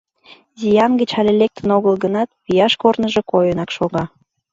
Зиян гыч але лектын огыл гынат, вияш корныжо койынак шога.